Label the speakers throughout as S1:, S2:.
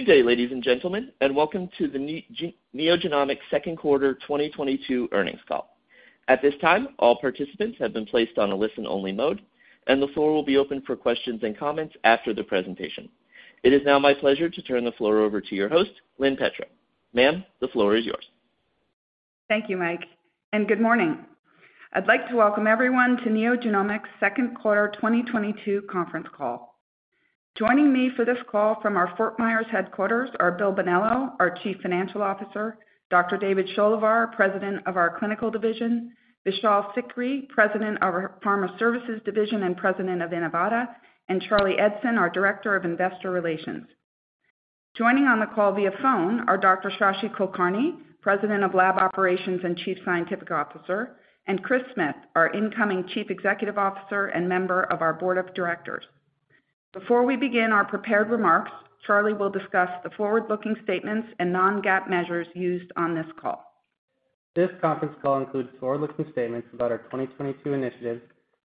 S1: Good day, ladies and gentlemen, and welcome to the NeoGenomics second quarter 2022 earnings call. At this time, all participants have been placed on a listen-only mode, and the floor will be open for questions and comments after the presentation. It is now my pleasure to turn the floor over to your host, Lynn Tetrault. Ma'am, the floor is yours.
S2: Thank you, Mike, and good morning. I'd like to welcome everyone to NeoGenomics second quarter 2022 conference call. Joining me for this call from our Fort Myers headquarters are Bill Bonello, our Chief Financial Officer, Dr. David Sholehvar, President of our Clinical Division, Vishal Sikri, President of our Pharma Services Division and President of Inivata, and Charlie Eidson, our Director of Investor Relations. Joining on the call via phone are Dr. Shashi Kulkarni, President of Lab Operations and Chief Scientific Officer, and Chris Smith, our incoming Chief Executive Officer and member of our board of directors. Before we begin our prepared remarks, Charlie will discuss the forward-looking statements and non-GAAP measures used on this call.
S3: This conference call includes forward-looking statements about our 2022 initiatives,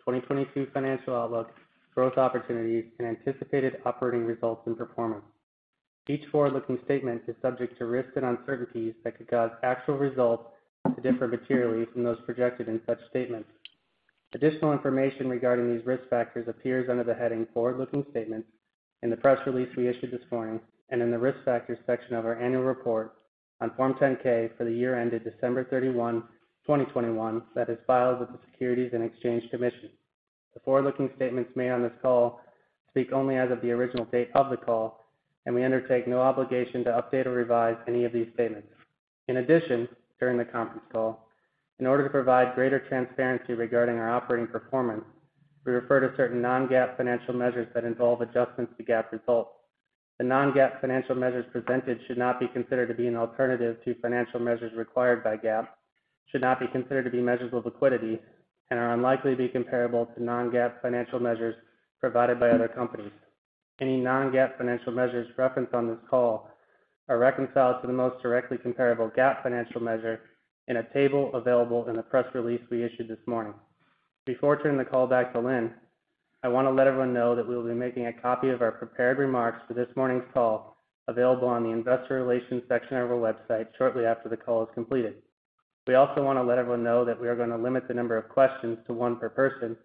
S3: 2022 financial outlook, growth opportunities, and anticipated operating results and performance. Each forward-looking statement is subject to risks and uncertainties that could cause actual results to differ materially from those projected in such statements. Additional information regarding these risk factors appears under the heading Forward-Looking Statements in the press release we issued this morning, and in the Risk Factors section of our annual report on Form 10-K for the year ended December 31, 2021 that is filed with the Securities and Exchange Commission. The forward-looking statements made on this call speak only as of the original date of the call, and we undertake no obligation to update or revise any of these statements. In addition, during the conference call, in order to provide greater transparency regarding our operating performance, we refer to certain non-GAAP financial measures that involve adjustments to GAAP results. The non-GAAP financial measures presented should not be considered to be an alternative to financial measures required by GAAP, should not be considered to be measures of liquidity, and are unlikely to be comparable to non-GAAP financial measures provided by other companies. Any non-GAAP financial measures referenced on this call are reconciled to the most directly comparable GAAP financial measure in a table available in the press release we issued this morning. Before turning the call back to Lynn, I want to let everyone know that we will be making a copy of our prepared remarks for this morning's call available on the investor relations section of our website shortly after the call is completed. We also want to let everyone know that we are going to limit the number of questions to one per person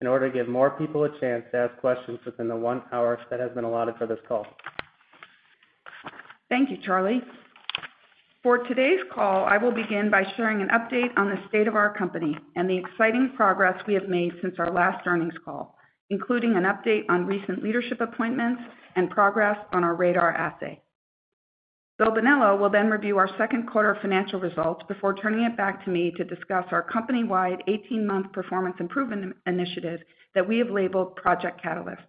S3: in order to give more people a chance to ask questions within the one hour that has been allotted for this call.
S2: Thank you, Charlie. For today's call, I will begin by sharing an update on the state of our company and the exciting progress we have made since our last earnings call, including an update on recent leadership appointments and progress on our RaDaR assay. Bill Bonello will then review our second quarter financial results before turning it back to me to discuss our company-wide 18-month performance improvement initiative that we have labeled Project Catalyst.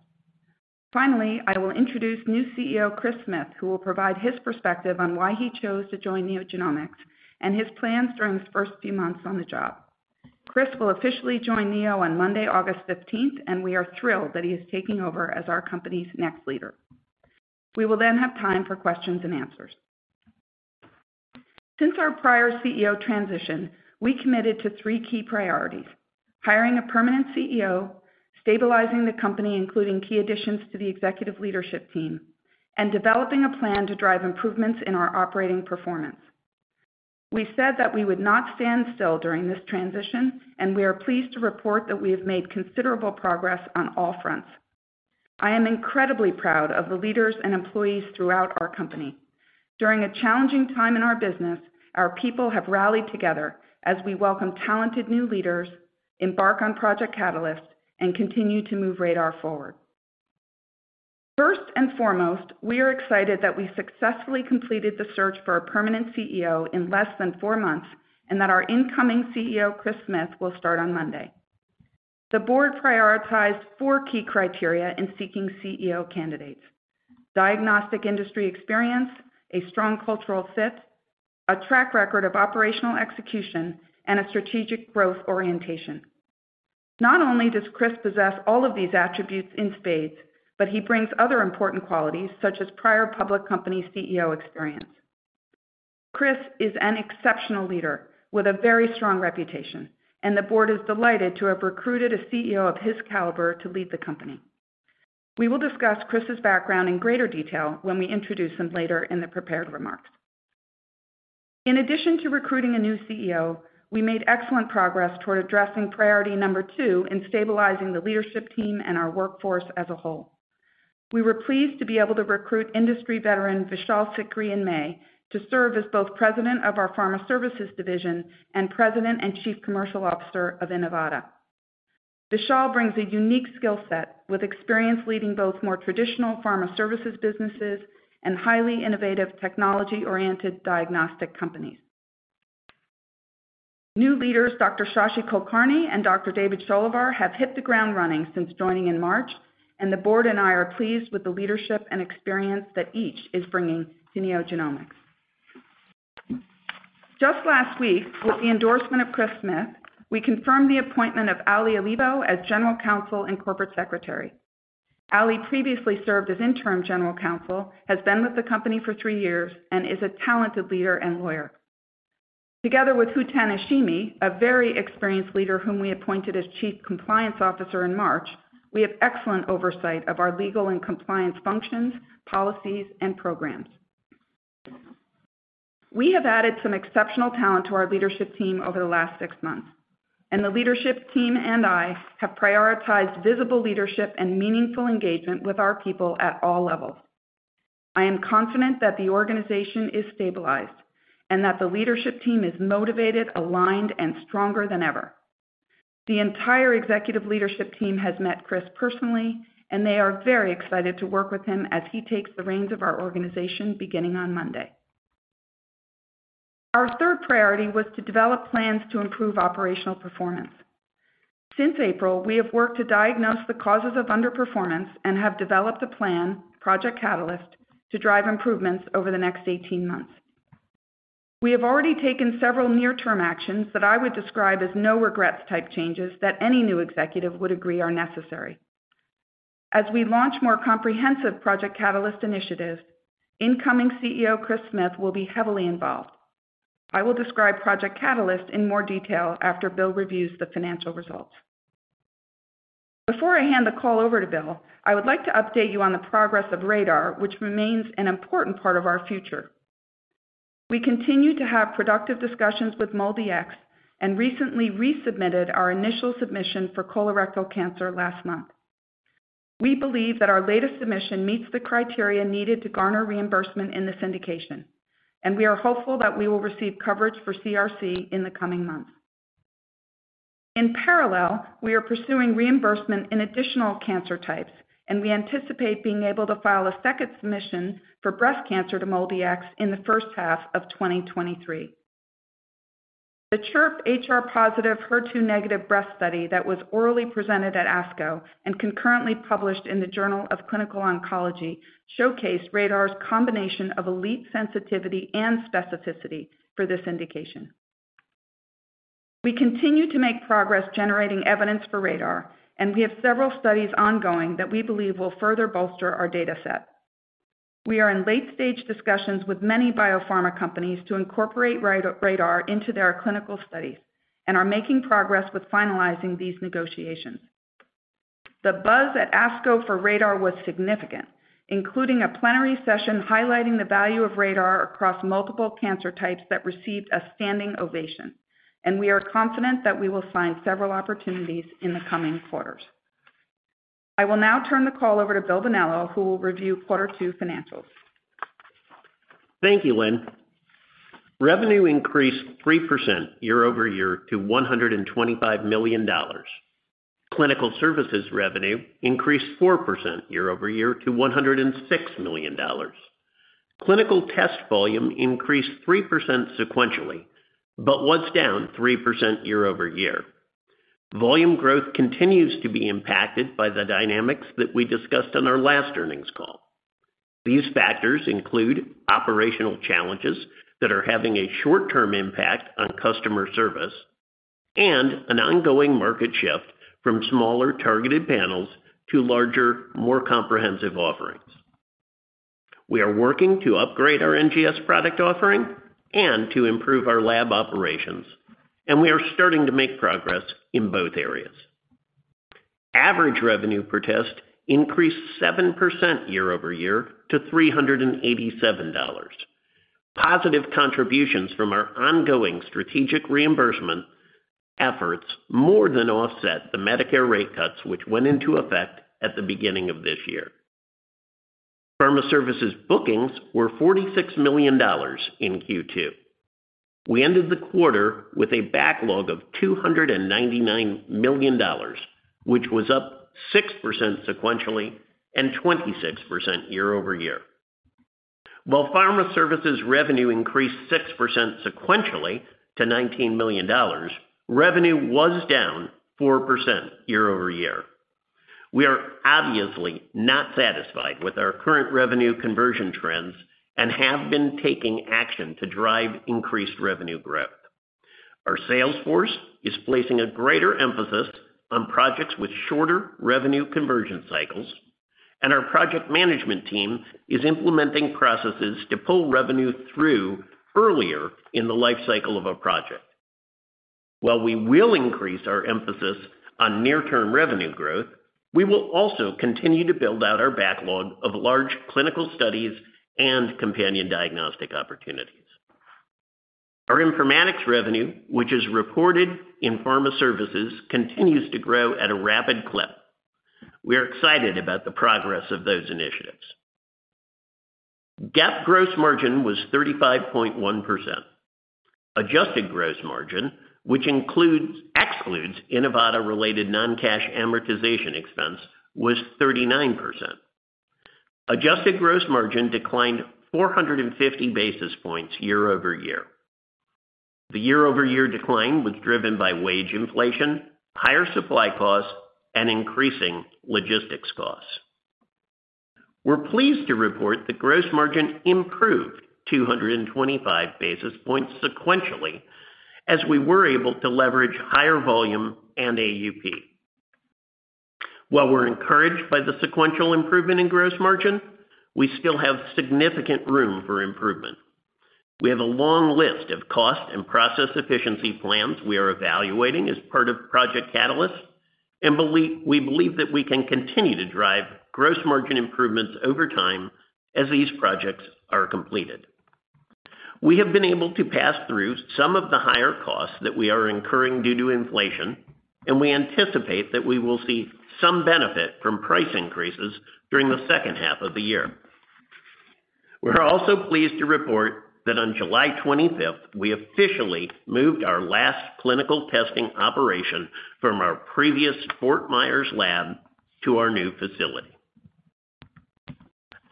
S2: Finally, I will introduce new CEO Chris Smith, who will provide his perspective on why he chose to join NeoGenomics and his plans during his first few months on the job. Chris will officially join Neo on Monday, August 15th, and we are thrilled that he is taking over as our company's next leader. We will then have time for questions and answers. Since our prior CEO transition, we committed to three key priorities. Hiring a permanent CEO, stabilizing the company, including key additions to the executive leadership team, and developing a plan to drive improvements in our operating performance. We said that we would not stand still during this transition, and we are pleased to report that we have made considerable progress on all fronts. I am incredibly proud of the leaders and employees throughout our company. During a challenging time in our business, our people have rallied together as we welcome talented new leaders, embark on Project Catalyst and continue to move RaDaR forward. First and foremost, we are excited that we successfully completed the search for a permanent CEO in less than four months and that our incoming CEO, Chris Smith, will start on Monday. The board prioritized four key criteria in seeking CEO candidates. Diagnostic industry experience, a strong cultural fit, a track record of operational execution, and a strategic growth orientation. Not only does Chris possess all of these attributes in spades, but he brings other important qualities such as prior public company CEO experience. Chris is an exceptional leader with a very strong reputation, and the board is delighted to have recruited a CEO of his caliber to lead the company. We will discuss Chris's background in greater detail when we introduce him later in the prepared remarks. In addition to recruiting a new CEO, we made excellent progress toward addressing priority number two in stabilizing the leadership team and our workforce as a whole. We were pleased to be able to recruit industry veteran, Vishal Sikri, in May to serve as both President of our Pharma Services Division and President and Chief Commercial Officer of Inivata. Vishal brings a unique skill set with experience leading both more traditional pharma services businesses and highly innovative technology-oriented diagnostic companies. New leaders, Dr. Shashi Kulkarni and Dr. David Sholehvar, have hit the ground running since joining in March, and the board and I are pleased with the leadership and experience that each is bringing to NeoGenomics. Just last week, with the endorsement of Chris Smith, we confirmed the appointment of Ali Olivo as General Counsel and Corporate Secretary. Ali previously served as Interim General Counsel, has been with the company for three years, and is a talented leader and lawyer. Together with Hutan Hashemi, a very experienced leader whom we appointed as Chief Compliance Officer in March, we have excellent oversight of our legal and compliance functions, policies, and programs. We have added some exceptional talent to our leadership team over the last six months, and the leadership team and I have prioritized visible leadership and meaningful engagement with our people at all levels. I am confident that the organization is stabilized and that the leadership team is motivated, aligned, and stronger than ever. The entire executive leadership team has met Chris personally, and they are very excited to work with him as he takes the reins of our organization beginning on Monday. Our third priority was to develop plans to improve operational performance. Since April, we have worked to diagnose the causes of underperformance and have developed a plan, Project Catalyst, to drive improvements over the next 18 months. We have already taken several near-term actions that I would describe as no-regrets type changes that any new executive would agree are necessary. As we launch more comprehensive Project Catalyst initiatives, incoming CEO Chris Smith will be heavily involved. I will describe Project Catalyst in more detail after Bill reviews the financial results. Before I hand the call over to Bill, I would like to update you on the progress of RaDaR, which remains an important part of our future. We continue to have productive discussions with MolDX and recently resubmitted our initial submission for colorectal cancer last month. We believe that our latest submission meets the criteria needed to garner reimbursement in this indication, and we are hopeful that we will receive coverage for CRC in the coming months. In parallel, we are pursuing reimbursement in additional cancer types, and we anticipate being able to file a second submission for breast cancer to MolDX in the first half of 2023. The CIRCULATE HR+, HER2- breast study that was orally presented at ASCO and concurrently published in the Journal of Clinical Oncology showcased RaDaR's combination of elite sensitivity and specificity for this indication. We continue to make progress generating evidence for RaDaR, and we have several studies ongoing that we believe will further bolster our data set. We are in late-stage discussions with many biopharma companies to incorporate RaDaR into their clinical studies and are making progress with finalizing these negotiations. The buzz at ASCO for RaDaR was significant, including a plenary session highlighting the value of RaDaR across multiple cancer types that received a standing ovation, and we are confident that we will sign several opportunities in the coming quarters. I will now turn the call over to Bill Bonello, who will review quarter two financials.
S4: Thank you, Lynn. Revenue increased 3% year-over-year to $125 million. Clinical services revenue increased 4% year-over-year to $106 million. Clinical test volume increased 3% sequentially, but was down 3% year-over-year. Volume growth continues to be impacted by the dynamics that we discussed on our last earnings call. These factors include operational challenges that are having a short-term impact on customer service and an ongoing market shift from smaller targeted panels to larger, more comprehensive offerings. We are working to upgrade our NGS product offering and to improve our lab operations, and we are starting to make progress in both areas. Average revenue per test increased 7% year-over-year to $387. Positive contributions from our ongoing strategic reimbursement efforts more than offset the Medicare rate cuts which went into effect at the beginning of this year. Pharma services bookings were $46 million in Q2. We ended the quarter with a backlog of $299 million, which was up 6% sequentially and 26% year-over-year. While pharma services revenue increased 6% sequentially to $19 million, revenue was down 4% year-over-year. We are obviously not satisfied with our current revenue conversion trends and have been taking action to drive increased revenue growth. Our sales force is placing a greater emphasis on projects with shorter revenue conversion cycles, and our project management team is implementing processes to pull revenue through earlier in the life cycle of a project. While we will increase our emphasis on near-term revenue growth, we will also continue to build out our backlog of large clinical studies and companion diagnostic opportunities. Our informatics revenue, which is reported in pharma services, continues to grow at a rapid clip. We are excited about the progress of those initiatives. GAAP gross margin was 35.1%. Adjusted gross margin, which excludes Inivata-related non-cash amortization expense, was 39%. Adjusted gross margin declined 450 basis points year-over-year. The year-over-year decline was driven by wage inflation, higher supply costs, and increasing logistics costs. We're pleased to report that gross margin improved 225 basis points sequentially as we were able to leverage higher volume and AUP. While we're encouraged by the sequential improvement in gross margin, we still have significant room for improvement. We have a long list of cost and process efficiency plans we are evaluating as part of Project Catalyst, and we believe that we can continue to drive gross margin improvements over time as these projects are completed. We have been able to pass through some of the higher costs that we are incurring due to inflation, and we anticipate that we will see some benefit from price increases during the second half of the year. We're also pleased to report that on July 25, we officially moved our last clinical testing operation from our previous Fort Myers lab to our new facility.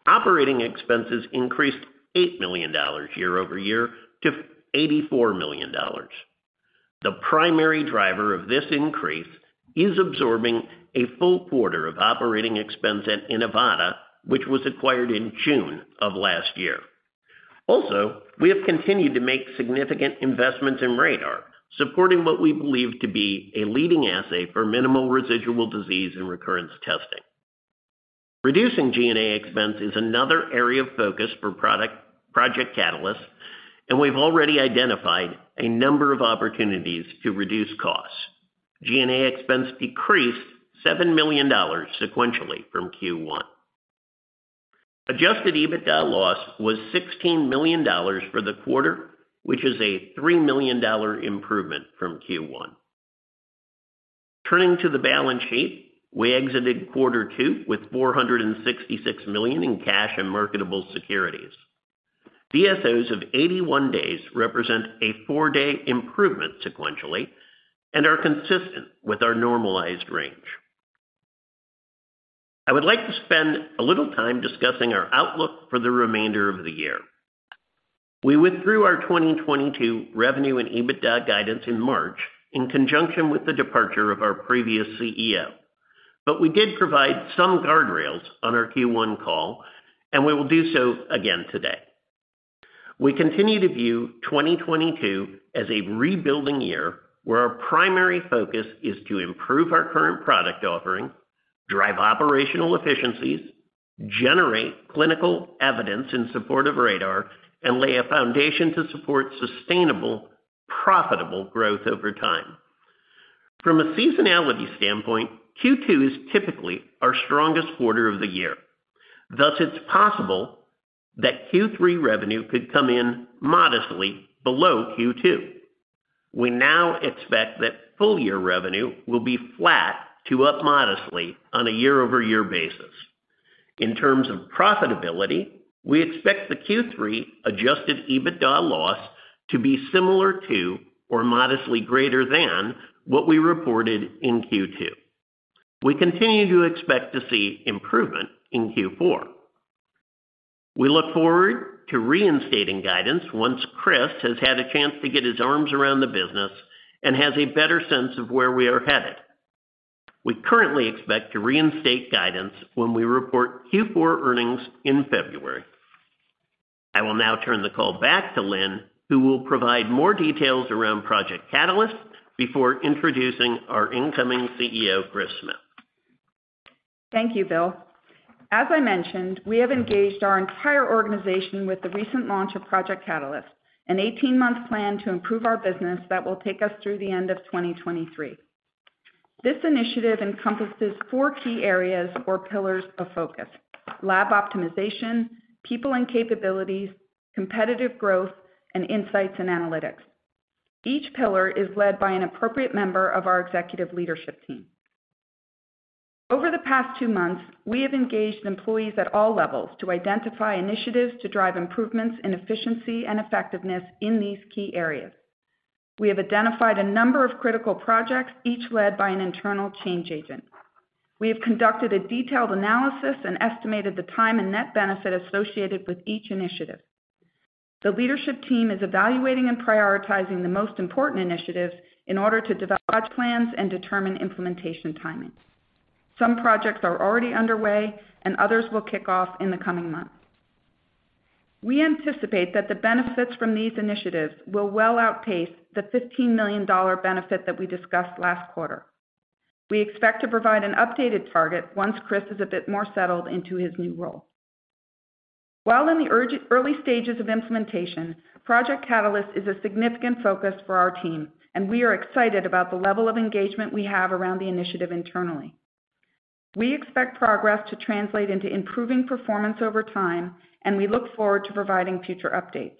S4: Operating expenses increased $8 million year-over-year to $84 million. The primary driver of this increase is absorbing a full quarter of operating expense at Inivata, which was acquired in June of last year. We have continued to make significant investments in RaDaR, supporting what we believe to be a leading assay for minimal residual disease and recurrence testing. Reducing G&A expense is another area of focus for Project Catalyst, and we've already identified a number of opportunities to reduce costs. G&A expense decreased $7 million sequentially from Q1. Adjusted EBITDA loss was $16 million for the quarter, which is a $3 million improvement from Q1. Turning to the balance sheet, we exited quarter 2 with $466 million in cash and marketable securities. DSOs of 81 days represent a four-day improvement sequentially and are consistent with our normalized range. I would like to spend a little time discussing our outlook for the remainder of the year. We withdrew our 2022 revenue and EBITDA guidance in March in conjunction with the departure of our previous CEO. We did provide some guardrails on our Q1 call, and we will do so again today. We continue to view 2022 as a rebuilding year, where our primary focus is to improve our current product offering, drive operational efficiencies, generate clinical evidence in support of RaDaR, and lay a foundation to support sustainable, profitable growth over time. From a seasonality standpoint, Q2 is typically our strongest quarter of the year. Thus, it's possible that Q3 revenue could come in modestly below Q2. We now expect that full year revenue will be flat to up modestly on a year-over-year basis. In terms of profitability, we expect the Q3 adjusted EBITDA loss to be similar to or modestly greater than what we reported in Q2. We continue to expect to see improvement in Q4. We look forward to reinstating guidance once Chris has had a chance to get his arms around the business and has a better sense of where we are headed. We currently expect to reinstate guidance when we report Q4 earnings in February. I will now turn the call back to Lynn, who will provide more details around Project Catalyst before introducing our incoming CEO, Chris Smith.
S2: Thank you, Bill. As I mentioned, we have engaged our entire organization with the recent launch of Project Catalyst, an 18-month plan to improve our business that will take us through the end of 2023. This initiative encompasses four key areas or pillars of focus. Lab optimization, people and capabilities, competitive growth, and insights and analytics. Each pillar is led by an appropriate member of our executive leadership team. Over the past two months, we have engaged employees at all levels to identify initiatives to drive improvements in efficiency and effectiveness in these key areas. We have identified a number of critical projects, each led by an internal change agent. We have conducted a detailed analysis and estimated the time and net benefit associated with each initiative. The leadership team is evaluating and prioritizing the most important initiatives in order to develop plans and determine implementation timing. Some projects are already underway, and others will kick off in the coming months. We anticipate that the benefits from these initiatives will well outpace the $15 million benefit that we discussed last quarter. We expect to provide an updated target once Chris is a bit more settled into his new role. While in the early stages of implementation, Project Catalyst is a significant focus for our team, and we are excited about the level of engagement we have around the initiative internally. We expect progress to translate into improving performance over time, and we look forward to providing future updates.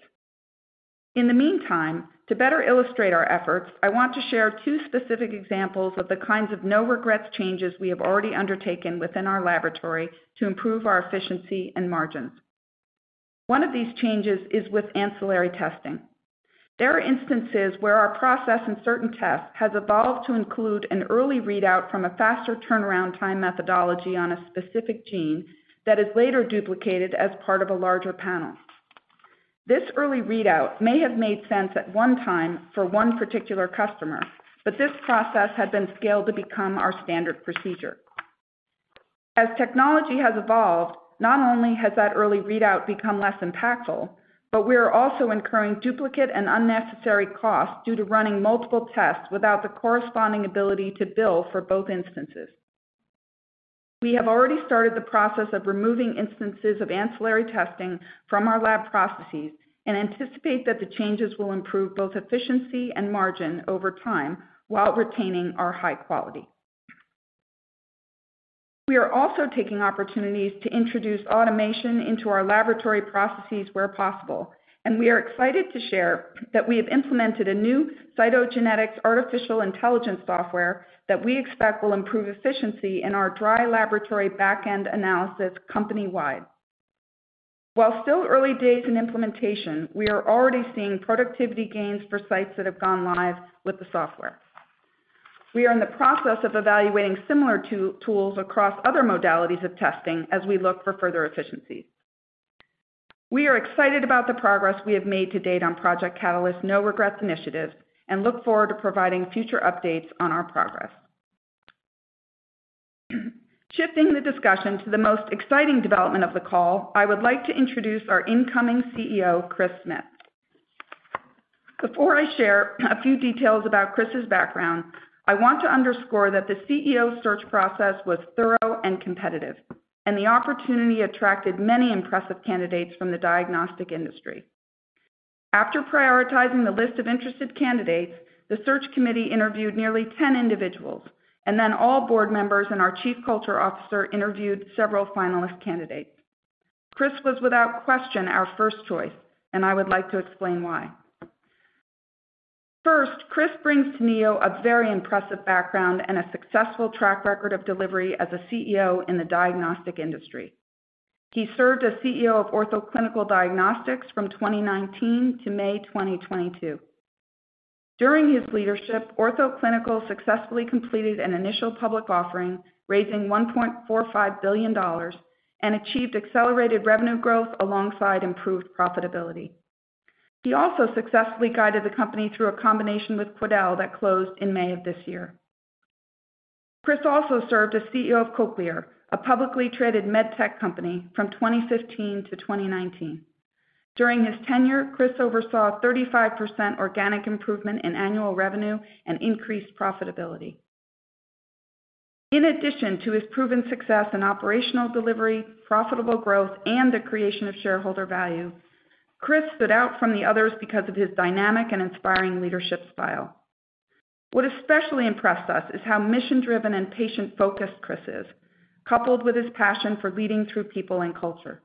S2: In the meantime, to better illustrate our efforts, I want to share two specific examples of the kinds of no-regrets changes we have already undertaken within our laboratory to improve our efficiency and margins. One of these changes is with ancillary testing. There are instances where our process in certain tests has evolved to include an early readout from a faster turnaround time methodology on a specific gene that is later duplicated as part of a larger panel. This early readout may have made sense at one time for one particular customer, but this process had been scaled to become our standard procedure. As technology has evolved, not only has that early readout become less impactful, but we are also incurring duplicate and unnecessary costs due to running multiple tests without the corresponding ability to bill for both instances. We have already started the process of removing instances of ancillary testing from our lab processes and anticipate that the changes will improve both efficiency and margin over time while retaining our high quality. We are also taking opportunities to introduce automation into our laboratory processes where possible, and we are excited to share that we have implemented a new cytogenetics artificial intelligence software that we expect will improve efficiency in our dry laboratory back-end analysis company-wide. While still early days in implementation, we are already seeing productivity gains for sites that have gone live with the software. We are in the process of evaluating similar tools across other modalities of testing as we look for further efficiencies. We are excited about the progress we have made to date on Project Catalyst's No Regrets initiative and look forward to providing future updates on our progress. Shifting the discussion to the most exciting development of the call, I would like to introduce our incoming CEO, Chris Smith. Before I share a few details about Chris's background, I want to underscore that the CEO search process was thorough and competitive, and the opportunity attracted many impressive candidates from the diagnostic industry. After prioritizing the list of interested candidates, the search committee interviewed nearly 10 individuals, and then all board members and our chief culture officer interviewed several finalist candidates. Chris was, without question, our first choice, and I would like to explain why. First, Chris brings to Neo a very impressive background and a successful track record of delivery as a CEO in the diagnostic industry. He served as CEO of Ortho Clinical Diagnostics from 2019-May 2022. During his leadership, Ortho Clinical successfully completed an initial public offering, raising $1.45 billion, and achieved accelerated revenue growth alongside improved profitability. He also successfully guided the company through a combination with Quidel that closed in May of this year. Chris also served as CEO of Cochlear, a publicly traded med tech company from 2015 to 2019. During his tenure, Chris oversaw 35% organic improvement in annual revenue and increased profitability. In addition to his proven success in operational delivery, profitable growth, and the creation of shareholder value, Chris stood out from the others because of his dynamic and inspiring leadership style. What especially impressed us is how mission-driven and patient-focused Chris is, coupled with his passion for leading through people and culture.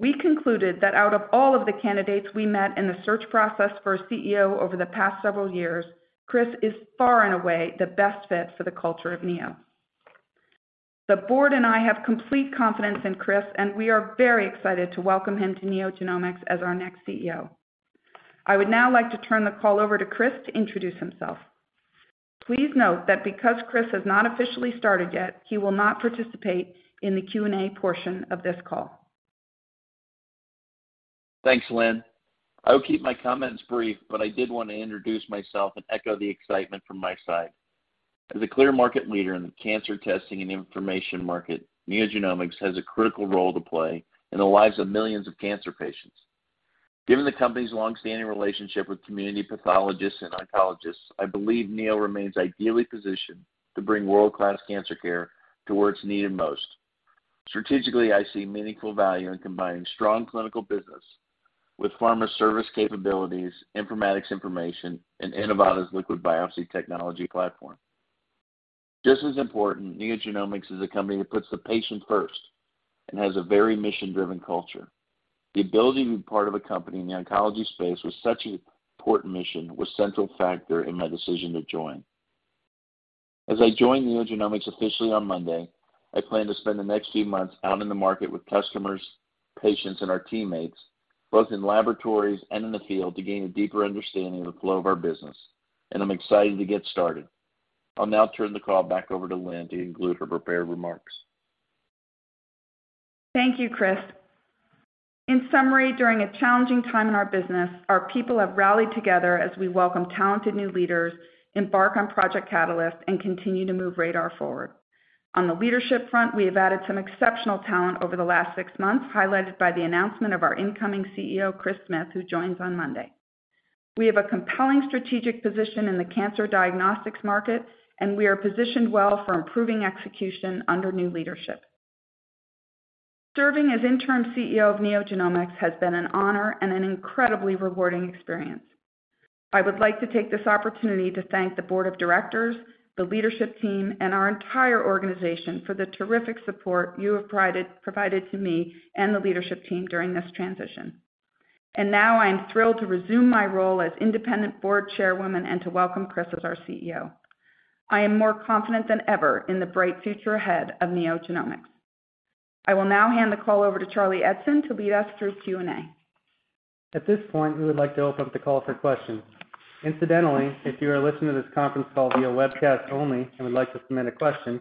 S2: We concluded that out of all of the candidates we met in the search process for a CEO over the past several years, Chris is far and away the best fit for the culture of Neo. The board and I have complete confidence in Chris, and we are very excited to welcome him to NeoGenomics as our next CEO. I would now like to turn the call over to Chris to introduce himself. Please note that because Chris has not officially started yet, he will not participate in the Q&A portion of this call.
S5: Thanks, Lynn. I will keep my comments brief, but I did want to introduce myself and echo the excitement from my side. As a clear market leader in the cancer testing and information market, NeoGenomics has a critical role to play in the lives of millions of cancer patients. Given the company's long-standing relationship with community pathologists and oncologists, I believe Neo remains ideally positioned to bring world-class cancer care to where it's needed most. Strategically, I see meaningful value in combining strong clinical business with pharma service capabilities, informatics information, and Inivata's liquid biopsy technology platform. Just as important, NeoGenomics is a company that puts the patient first and has a very mission-driven culture. The ability to be part of a company in the oncology space with such an important mission was a central factor in my decision to join. As I join NeoGenomics officially on Monday, I plan to spend the next few months out in the market with customers, patients, and our teammates, both in laboratories and in the field, to gain a deeper understanding of the flow of our business, and I'm excited to get started. I'll now turn the call back over to Lynn to conclude her prepared remarks.
S2: Thank you, Chris. In summary, during a challenging time in our business, our people have rallied together as we welcome talented new leaders, embark on Project Catalyst, and continue to move RaDaR forward. On the leadership front, we have added some exceptional talent over the last six months, highlighted by the announcement of our incoming CEO, Chris Smith, who joins on Monday. We have a compelling strategic position in the cancer diagnostics market, and we are positioned well for improving execution under new leadership. Serving as interim CEO of NeoGenomics has been an honor and an incredibly rewarding experience. I would like to take this opportunity to thank the board of directors, the leadership team, and our entire organization for the terrific support you have provided to me and the leadership team during this transition. Now I am thrilled to resume my role as independent board chairwoman and to welcome Chris as our CEO. I am more confident than ever in the bright future ahead of NeoGenomics. I will now hand the call over to Charlie Eidson to lead us through Q&A.
S3: At this point, we would like to open up the call for questions. Incidentally, if you are listening to this conference call via webcast only and would like to submit a question,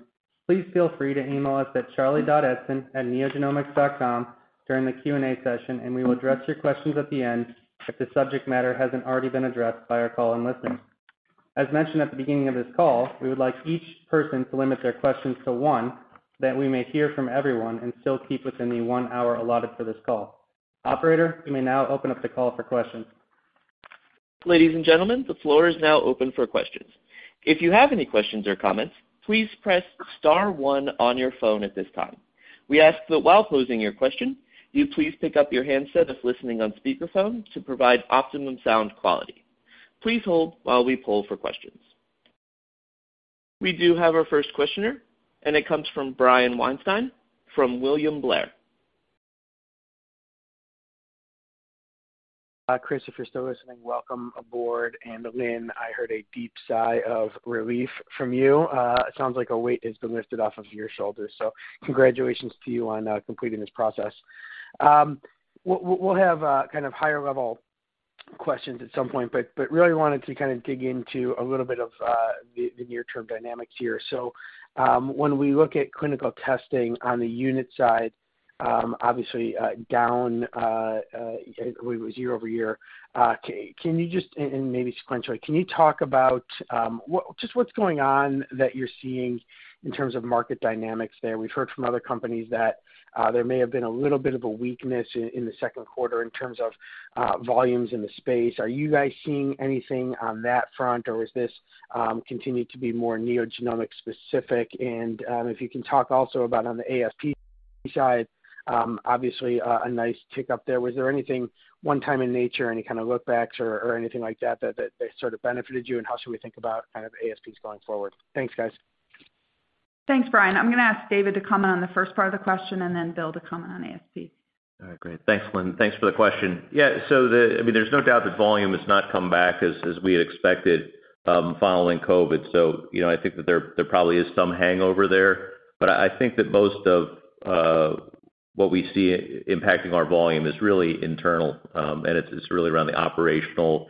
S3: please feel free to email us at charlie.eidson@neogenomics.com during the Q&A session, and we will address your questions at the end if the subject matter hasn't already been addressed by our call-in listeners. As mentioned at the beginning of this call, we would like each person to limit their questions to one that we may hear from everyone and still keep within the one hour allotted for this call. Operator, you may now open up the call for questions.
S1: Ladies and gentlemen, the floor is now open for questions. If you have any questions or comments, please press star one on your phone at this time. We ask that while posing your question, you please pick up your handset if listening on speakerphone to provide optimum sound quality. Please hold while we poll for questions. We do have our first questioner, and it comes from Brian Weinstein from William Blair.
S6: Chris, if you're still listening, welcome aboard. Lynn, I heard a deep sigh of relief from you. It sounds like a weight has been lifted off of your shoulders, so congratulations to you on completing this process. We'll have kind of higher level questions at some point, but really wanted to kind of dig into a little bit of the near-term dynamics here. When we look at clinical testing on the unit side, obviously down year-over-year, I believe. Can you just. Maybe sequentially, can you talk about just what's going on that you're seeing in terms of market dynamics there? We've heard from other companies that there may have been a little bit of a weakness in the second quarter in terms of volumes in the space. Are you guys seeing anything on that front or is this continued to be more NeoGenomics specific? If you can talk also about on the ASP side, obviously a nice tick up there. Was there anything one-time in nature, any kind of lookbacks or anything like that that sort of benefited you and how should we think about kind of ASPs going forward? Thanks, guys.
S2: Thanks, Brian. I'm gonna ask David to comment on the first part of the question and then Bill to comment on ASP.
S7: All right. Great. Thanks, Lynn. Thanks for the question. Yeah. I mean, there's no doubt that volume has not come back as we had expected following COVID. You know, I think that there probably is some hangover there, but I think that most of what we see impacting our volume is really internal, and it's really around the operational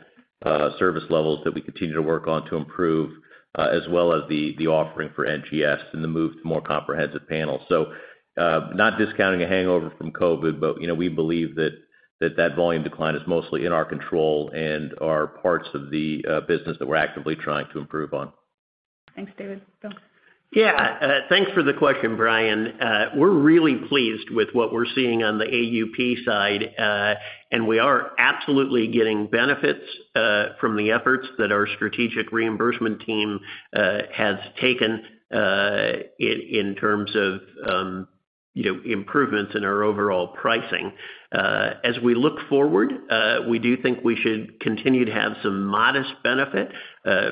S7: service levels that we continue to work on to improve, as well as the offering for NGS and the move to more comprehensive panels. Not discounting a hangover from COVID, but you know, we believe that that volume decline is mostly in our control and our parts of the business that we're actively trying to improve on.
S2: Thanks, David. Bill.
S4: Yeah. Thanks for the question, Brian. We're really pleased with what we're seeing on the AUP side, and we are absolutely getting benefits from the efforts that our strategic reimbursement team has taken in terms of, you know, improvements in our overall pricing. As we look forward, we do think we should continue to have some modest benefit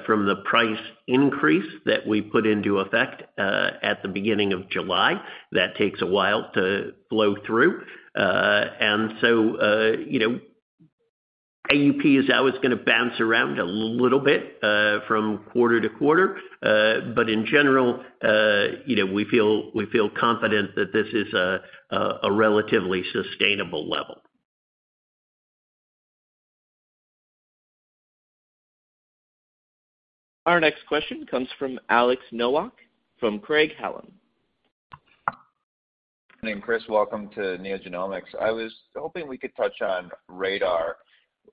S4: from the price increase that we put into effect at the beginning of July. That takes a while to flow through. You know, AUP is always gonna bounce around a little bit from quarter to quarter. In general, you know, we feel confident that this is a relatively sustainable level.
S1: Our next question comes from Alex Nowak from Craig-Hallum.
S8: Good morning, Chris. Welcome to NeoGenomics. I was hoping we could touch on RaDaR.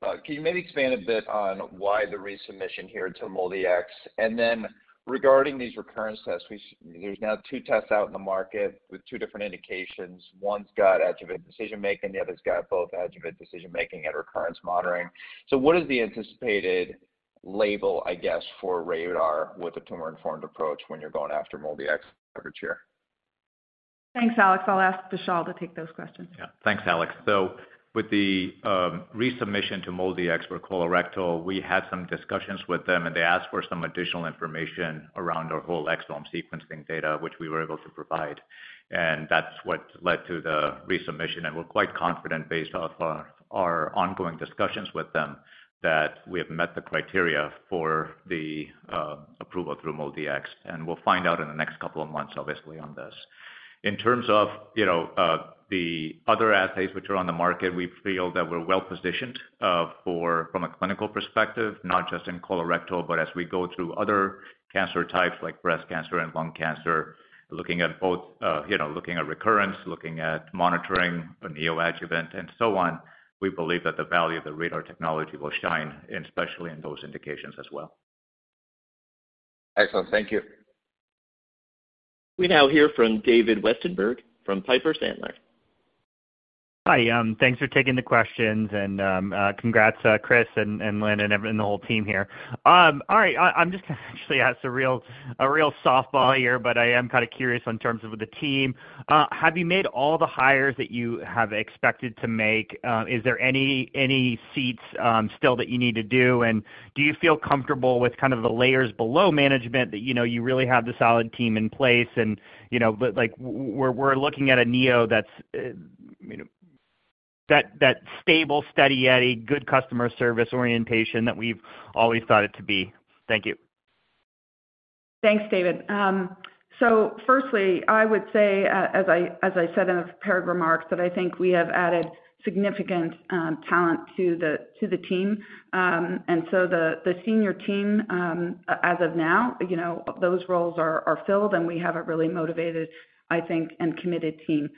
S8: Can you maybe expand a bit on why the resubmission here to MolDX? And then regarding these recurrence tests, there's now two tests out in the market with two different indications. One's got adjuvant decision-making, the other's got both adjuvant decision-making and recurrence monitoring. What is the anticipated label, I guess, for RaDaR with the tumor-informed approach when you're going after MolDX coverage here?
S2: Thanks, Alex. I'll ask Vishal to take those questions.
S9: Yeah. Thanks, Alex. With the resubmission to MolDX for colorectal, we had some discussions with them, and they asked for some additional information around our whole exome sequencing data, which we were able to provide. That's what led to the resubmission, and we're quite confident based off our ongoing discussions with them, that we have met the criteria for the approval through MolDX. We'll find out in the next couple of months, obviously, on this. In terms of, you know, the other assays which are on the market, we feel that we're well-positioned from a clinical perspective, not just in colorectal, but as we go through other cancer types like breast cancer and lung cancer, looking at both, you know, looking at recurrence, looking at monitoring a neoadjuvant and so on, we believe that the value of the RaDaR technology will shine, and especially in those indications as well.
S8: Excellent. Thank you.
S1: We now hear from David Westenberg from Piper Sandler.
S10: Hi. Thanks for taking the questions, and congrats, Chris and Lynn and the whole team here. All right. I'm just gonna actually ask a real softball here, but I am kinda curious in terms of the team. Have you made all the hires that you have expected to make? Is there any seats still that you need to do? And do you feel comfortable with kind of the layers below management that you know you really have the solid team in place and you know but like we're looking at a Neo that's you know that stable Steady Eddie good customer service orientation that we've always thought it to be. Thank you.
S2: Thanks, David. Firstly, I would say, as I said in the prepared remarks, that I think we have added significant talent to the team. The senior team, as of now, you know, those roles are filled, and we have a really motivated, I think, and committed team.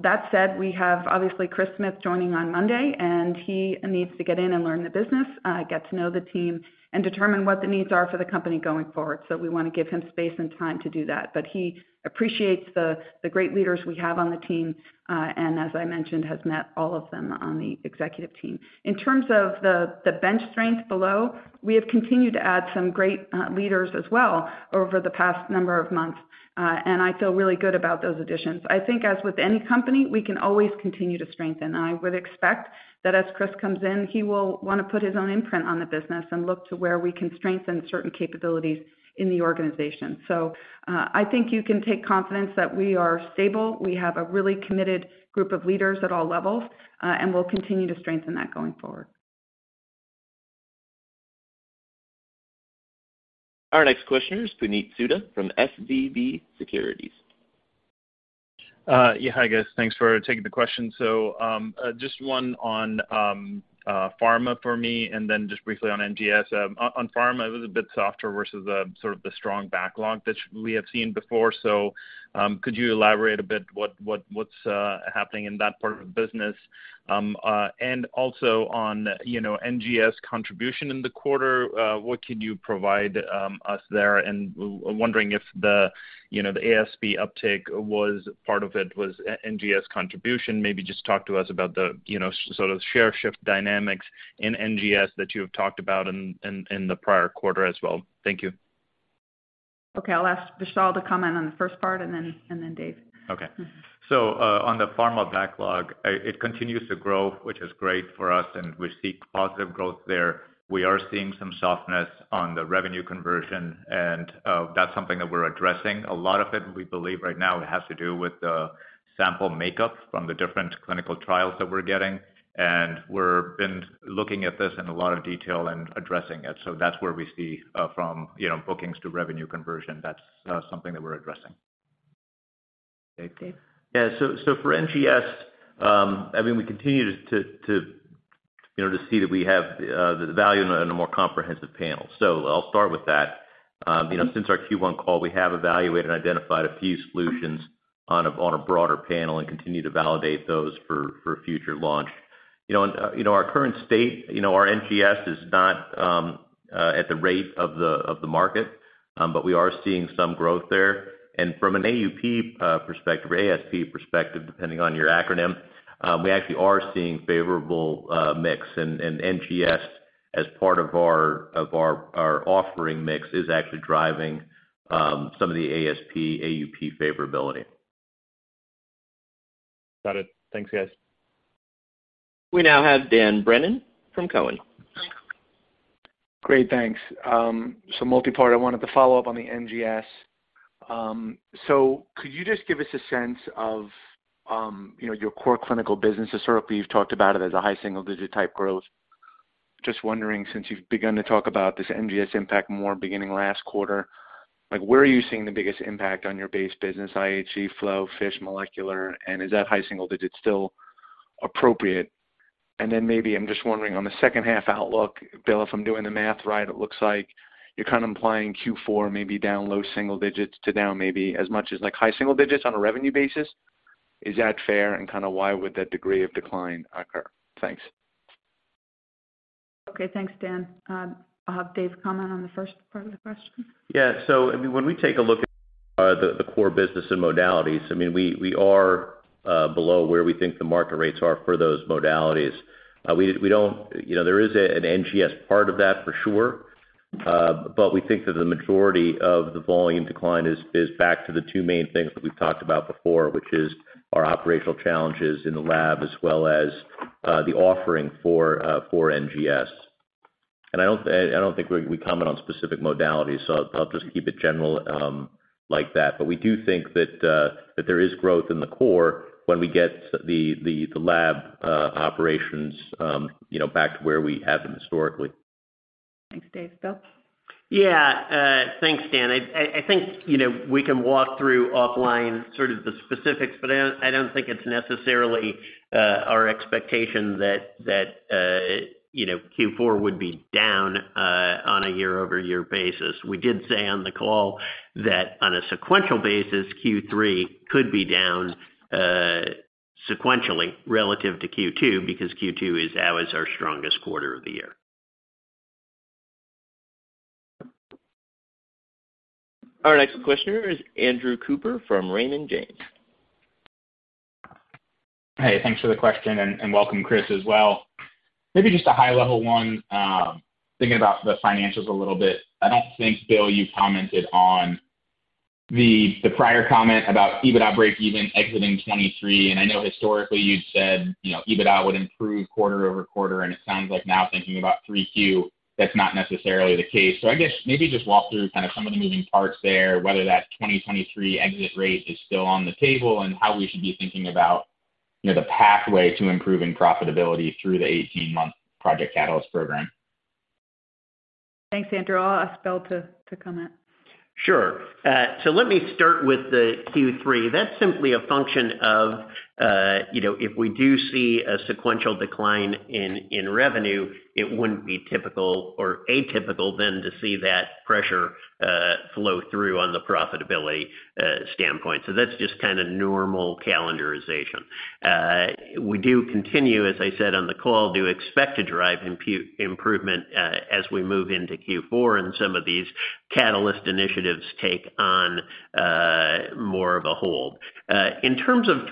S2: That said, we have obviously Chris Smith joining on Monday, and he needs to get in and learn the business, get to know the team and determine what the needs are for the company going forward. We want to give him space and time to do that. He appreciates the great leaders we have on the team, and as I mentioned, has met all of them on the executive team. In terms of the bench strength below, we have continued to add some great leaders as well over the past number of months, and I feel really good about those additions. I think as with any company, we can always continue to strengthen. I would expect that as Chris comes in, he will want to put his own imprint on the business and look to where we can strengthen certain capabilities in the organization. I think you can take confidence that we are stable. We have a really committed group of leaders at all levels, and we'll continue to strengthen that going forward.
S1: Our next question is Puneet Souda from SVB Securities.
S11: Yeah. Hi, guys. Thanks for taking the question. Just one on pharma for me, and then just briefly on NGS. On pharma, it was a bit softer versus sort of the strong backlog that we have seen before. Could you elaborate a bit on what's happening in that part of the business? And also on, you know, NGS contribution in the quarter, what can you provide us there? Wondering if the, you know, the ASB uptake was part of the NGS contribution. Maybe just talk to us about the, you know, sort of share shift dynamics in NGS that you have talked about in the prior quarter as well. Thank you.
S2: Okay. I'll ask Vishal to comment on the first part and then Dave.
S7: Okay. On the pharma backlog, it continues to grow, which is great for us, and we see positive growth there. We are seeing some softness on the revenue conversion, and that's something that we're addressing. A lot of it, we believe right now has to do with the sample makeup from the different clinical trials that we're getting. We're been looking at this in a lot of detail and addressing it. That's where we see, from, you know, bookings to revenue conversion. That's something that we're addressing.
S2: Dave.
S7: Yeah. For NGS, I mean, we continue to you know, to see that we have the value in a more comprehensive panel. I'll start with that. You know, since our Q1 call, we have evaluated and identified a few solutions on a broader panel and continue to validate those for future launch. You know, our current state, you know, our NGS is not at the rate of the market, but we are seeing some growth there. From an AUP perspective or ASP perspective, depending on your acronym, we actually are seeing favorable mix and NGS as part of our offering mix is actually driving some of the ASP, AUP favorability.
S11: Got it. Thanks, guys.
S1: We now have Dan Brennan from Cowen.
S12: Great, thanks. Multipart, I wanted to follow up on the NGS. Could you just give us a sense of, you know, your core clinical business historically, you've talked about it as a high single digit type growth. Just wondering, since you've begun to talk about this NGS impact more beginning last quarter, like, where are you seeing the biggest impact on your base business, IHC, Flow, FISH, Molecular, and is that high single digit still appropriate? Then maybe I'm just wondering on the second half outlook, Bill, if I'm doing the math right, it looks like you're kind of implying Q4 maybe down low single digits to down maybe as much as like high single digits on a revenue basis. Is that fair? Kind of why would that degree of decline occur? Thanks.
S2: Okay. Thanks, Dan. I'll have Dave comment on the first part of the question.
S7: I mean, when we take a look at the core business and modalities, I mean, we are below where we think the market rates are for those modalities. You know, there is an NGS part of that for sure. But we think that the majority of the volume decline is back to the two main things that we've talked about before, which is our operational challenges in the lab as well as the offering for NGS. I don't think we comment on specific modalities, so I'll just keep it general, like that. We do think that there is growth in the core when we get the lab operations, you know, back to where we had them historically.
S2: Thanks, Dave. Bill.
S4: Yeah. Thanks, Dan. I think, you know, we can walk through offline sort of the specifics, but I don't think it's necessarily our expectation that that you know Q4 would be down on a year-over-year basis. We did say on the call that on a sequential basis, Q3 could be down sequentially relative to Q2, because Q2 is always our strongest quarter of the year.
S1: Our next questioner is Andrew Cooper from Raymond James.
S13: Hey, thanks for the question, and welcome Chris as well. Maybe just a high-level one, thinking about the financials a little bit. I don't think, Bill, you commented on the prior comment about EBITDA breakeven exiting 2023. I know historically you'd said, you know, EBITDA would improve quarter over quarter, and it sounds like now thinking about 3Q, that's not necessarily the case. I guess maybe just walk through kind of some of the moving parts there, whether that's 2023 exit rate is still on the table, and how we should be thinking about You know, the pathway to improving profitability through the 18-month Project Catalyst program.
S2: Thanks, Andrew. I'll ask Bill to comment.
S4: Sure. Let me start with the Q3. That's simply a function of, you know, if we do see a sequential decline in revenue, it wouldn't be typical or atypical then to see that pressure flow through on the profitability standpoint. That's just kind of normal calendarization. We do continue, as I said on the call, do expect to drive improvement as we move into Q4 and some of these catalyst initiatives take on more of a hold. In terms of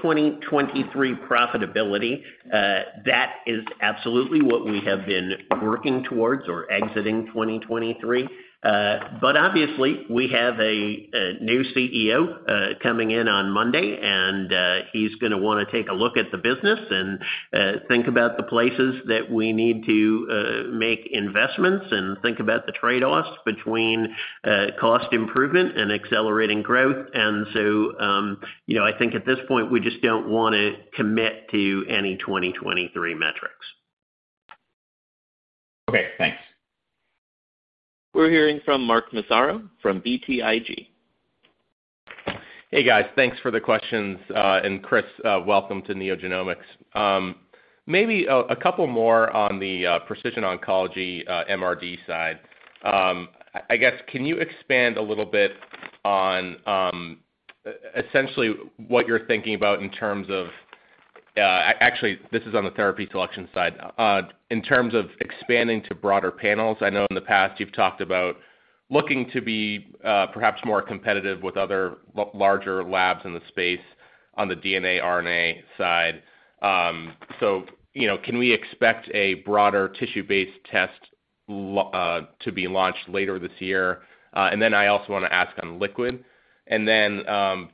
S4: 2023 profitability, that is absolutely what we have been working towards or exiting 2023. Obviously, we have a new CEO coming in on Monday, and he's gonna wanna take a look at the business and think about the places that we need to make investments and think about the trade-offs between cost improvement and accelerating growth. You know, I think at this point, we just don't want to commit to any 2023 metrics.
S13: Okay, thanks.
S1: We're hearing from Mark Massaro from BTIG.
S14: Hey, guys. Thanks for the questions. Chris, welcome to NeoGenomics. Maybe a couple more on the precision oncology, MRD side. I guess, can you expand a little bit on essentially what you're thinking about in terms of. Actually, this is on the therapy selection side. In terms of expanding to broader panels, I know in the past you've talked about looking to be perhaps more competitive with other larger labs in the space on the DNA, RNA side. You know, can we expect a broader tissue-based test to be launched later this year? Then I also wanna ask on liquid. Then,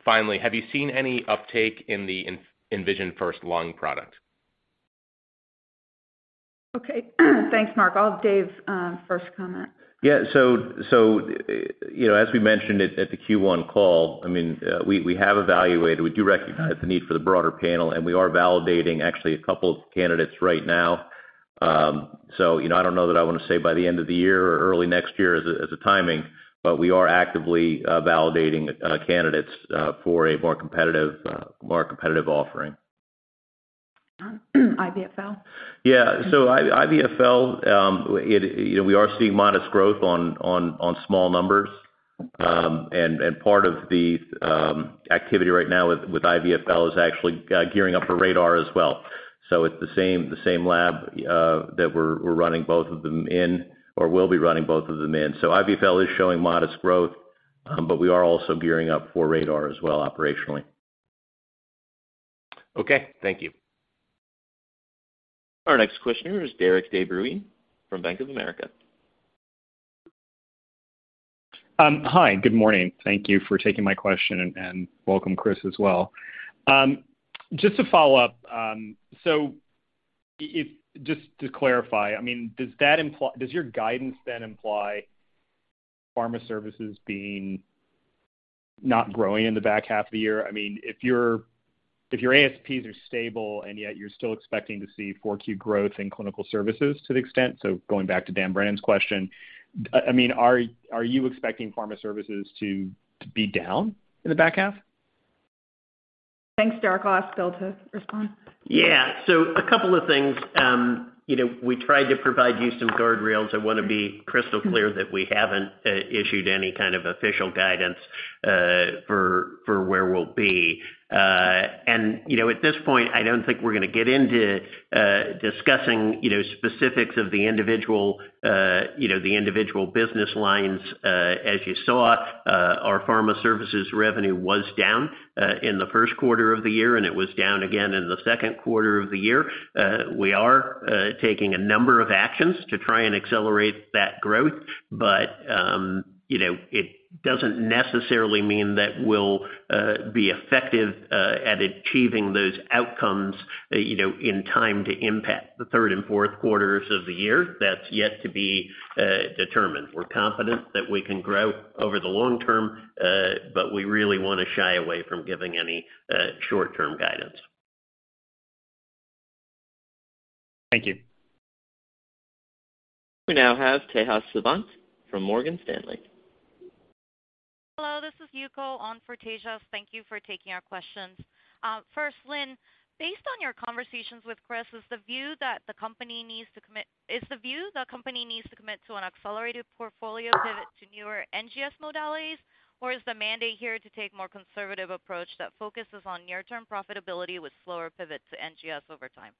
S14: finally, have you seen any uptake in the InVisionFirst-Lung first lung product?
S2: Okay. Thanks, Mark. I'll have Dave first comment.
S7: You know, as we mentioned at the Q1 call, I mean, we have evaluated. We do recognize the need for the broader panel, and we are validating actually a couple of candidates right now. You know, I don't know that I wanna say by the end of the year or early next year as a timing, but we are actively validating candidates for a more competitive offering.
S2: IVFL?
S7: Yeah. IVFL, you know, we are seeing modest growth on small numbers. And part of the activity right now with IVFL is actually gearing up for RaDaR as well. It's the same lab that we're running both of them in or will be running both of them in. IVFL is showing modest growth, but we are also gearing up for RaDaR as well operationally.
S14: Okay, thank you.
S1: Our next questioner is Derik De Bruin from Bank of America.
S15: Hi. Good morning. Thank you for taking my question, and welcome, Chris, as well. Just to follow up, just to clarify, I mean, does that imply—does your guidance then imply pharma services being not growing in the back half of the year? I mean, if your ASPs are stable and yet you're still expecting to see 4Q growth in clinical services to the extent, so going back to Dan Brennan's question, I mean, are you expecting pharma services to be down in the back half?
S2: Thanks, Derik. I'll ask Bill to respond.
S4: Yeah. A couple of things. You know, we tried to provide you some guardrails. I wanna be crystal clear that we haven't issued any kind of official guidance for where we'll be. You know, at this point, I don't think we're gonna get into discussing specifics of the individual business lines. As you saw, our Pharma Services revenue was down in the first quarter of the year, and it was down again in the second quarter of the year. We are taking a number of actions to try and accelerate that growth, but, you know, it doesn't necessarily mean that we'll be effective at achieving those outcomes, you know, in time to impact the third and fourth quarters of the year. That's yet to be determined. We're confident that we can grow over the long term, but we really wanna shy away from giving any short-term guidance.
S16: Thank you.
S1: We now have Tejas Savant from Morgan Stanley.
S17: Hello, this is Yuko on for Tejas. Thank you for taking our questions. First, Lynn, based on your conversations with Chris, is the view the company needs to commit to an accelerated portfolio pivot to newer NGS modalities, or is the mandate here to take more conservative approach that focuses on near-term profitability with slower pivot to NGS over time?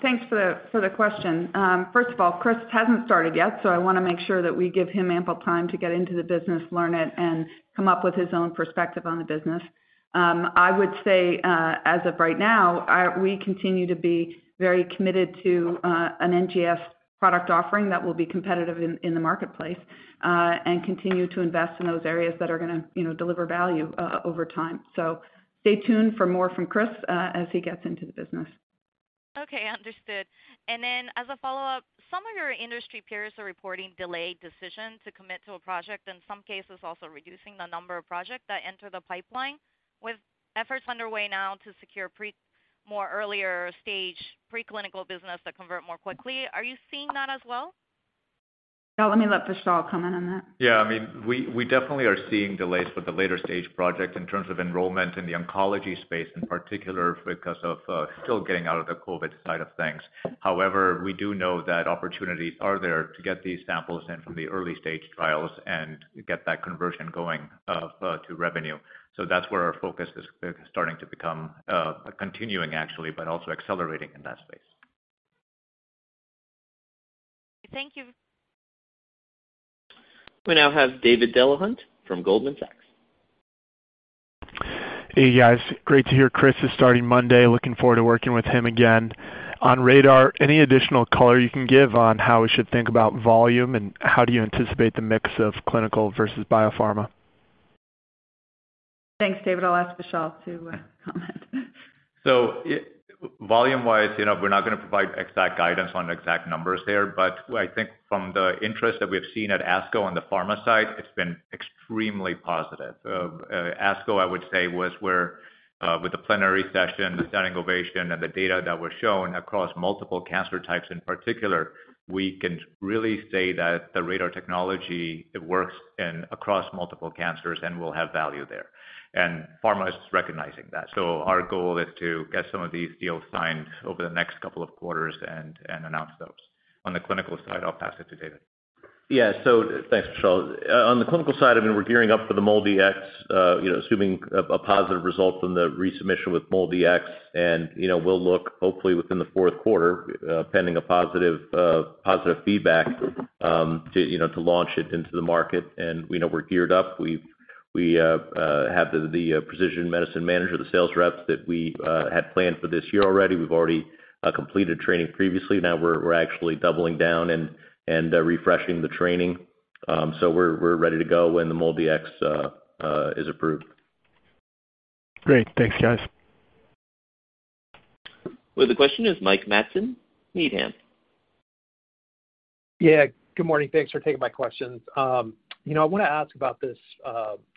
S2: Thanks for the question. First of all, Chris hasn't started yet, so I wanna make sure that we give him ample time to get into the business, learn it, and come up with his own perspective on the business. I would say, as of right now, we continue to be very committed to an NGS product offering that will be competitive in the marketplace, and continue to invest in those areas that are gonna, you know, deliver value over time. Stay tuned for more from Chris, as he gets into the business.
S17: Okay, understood. As a follow-up, some of your industry peers are reporting delayed decisions to commit to a project, in some cases also reducing the number of projects that enter the pipeline. With efforts underway now to secure more earlier stage pre-clinical business that convert more quickly, are you seeing that as well?
S2: Yeah, let Vishal comment on that.
S9: Yeah. I mean, we definitely are seeing delays with the later stage projects in terms of enrollment in the oncology space, in particular because of still getting out of the COVID side of things. However, we do know that opportunities are there to get these samples in from the early stage trials and get that conversion going to revenue. That's where our focus is continuing actually, but also accelerating in that space.
S17: Thank you.
S1: We now have David Delahunt from Goldman Sachs.
S18: Hey, guys. Great to hear Chris is starting Monday. Looking forward to working with him again. On RaDaR, any additional color you can give on how we should think about volume and how do you anticipate the mix of clinical versus biopharma?
S2: Thanks, David. I'll ask Vishal to comment.
S9: Volume wise, you know, we're not gonna provide exact guidance on exact numbers there, but I think from the interest that we've seen at ASCO on the pharma side, it's been extremely positive. ASCO, I would say, was where, with the plenary session, the standing ovation and the data that was shown across multiple cancer types in particular, we can really say that the RaDaR technology, it works and across multiple cancers and will have value there. Pharma is recognizing that. Our goal is to get some of these deals signed over the next couple of quarters and announce those. On the clinical side, I'll pass it to David.
S7: Yeah. Thanks, Vishal. On the clinical side, I mean, we're gearing up for the MolDX, you know, assuming a positive result from the resubmission with MolDX and, you know, we'll look hopefully within the fourth quarter, pending a positive feedback, to you know to launch it into the market. We're geared up. We have the precision medicine manager, the sales reps that we had planned for this year already. We've already completed training previously. Now we're actually doubling down and refreshing the training. We're ready to go when the MolDX is approved.
S18: Great. Thanks, guys.
S1: With the question is Mike Matson, Needham.
S19: Yeah. Good morning. Thanks for taking my questions. You know, I wanna ask about this.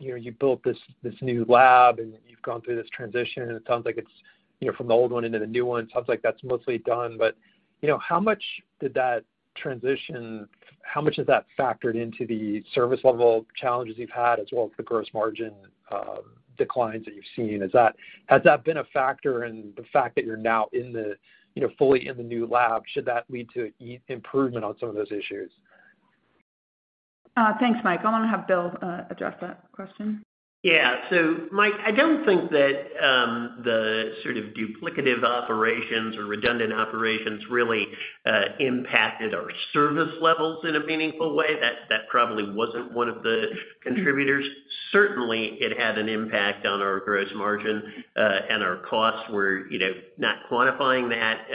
S19: You know, you built this new lab and you've gone through this transition and it sounds like it's, you know, from the old one into the new one. Sounds like that's mostly done. You know, how much did that transition, how much has that factored into the service level challenges you've had as well as the gross margin declines that you've seen? Is that a factor? Has that been a factor in the fact that you're now in the, you know, fully in the new lab? Should that lead to improvement on some of those issues?
S2: Thanks, Mike. I wanna have Bill address that question.
S4: Yeah. Mike, I don't think that the sort of duplicative operations or redundant operations really impacted our service levels in a meaningful way. That probably wasn't one of the contributors. Certainly, it had an impact on our gross margin, and our costs were, you know, not quantifying that,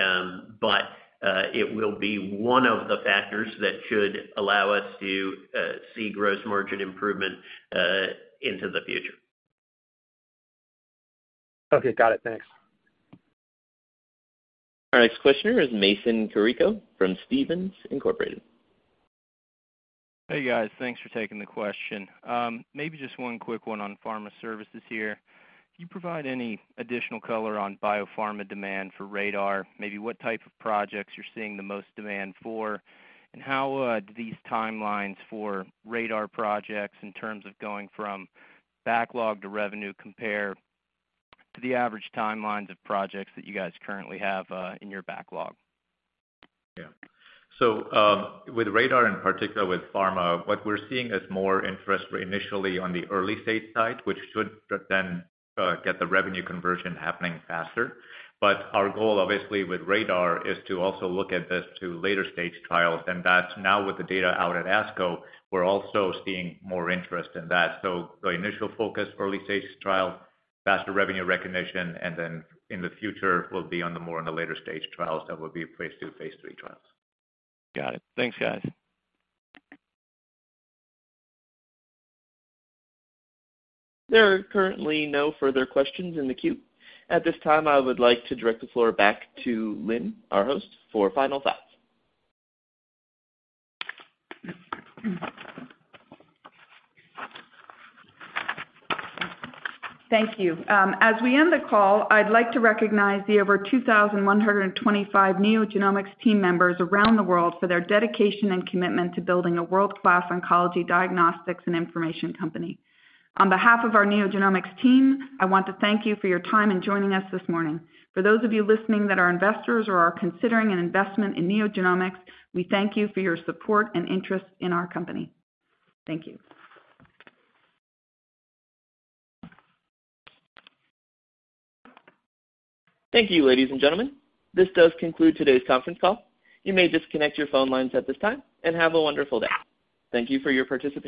S4: but it will be one of the factors that should allow us to see gross margin improvement into the future.
S19: Okay. Got it. Thanks.
S1: Our next questioner is Mason Carrico from Stephens Inc.
S20: Hey, guys. Thanks for taking the question. Maybe just one quick one on Pharma Services here. Can you provide any additional color on biopharma demand for RaDaR? Maybe what type of projects you're seeing the most demand for, and how do these timelines for RaDaR projects in terms of going from backlog to revenue compare to the average timelines of projects that you guys currently have in your backlog?
S9: Yeah. With RaDaR, in particular with pharma, what we're seeing is more interest initially on the early stage side, which should then get the revenue conversion happening faster. Our goal obviously with RaDaR is to also look at this to later stage trials, and that's now with the data out at ASCO, we're also seeing more interest in that. The initial focus, early stages trial, faster revenue recognition, and then in the future will be more on the later stage trials that will be phase two, phase three trials.
S20: Got it. Thanks, guys.
S1: There are currently no further questions in the queue. At this time, I would like to direct the floor back to Lynn, our host, for final thoughts.
S2: Thank you. As we end the call, I'd like to recognize the over 2,125 NeoGenomics team members around the world for their dedication and commitment to building a world-class oncology diagnostics and information company. On behalf of our NeoGenomics team, I want to thank you for your time in joining us this morning. For those of you listening that are investors or are considering an investment in NeoGenomics, we thank you for your support and interest in our company. Thank you.
S1: Thank you, ladies and gentlemen. This does conclude today's conference call. You may disconnect your phone lines at this time, and have a wonderful day. Thank you for your participation.